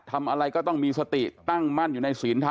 ทำอะไรก็ต้องมีสติตั้งมั่นอยู่ในศีลธรรม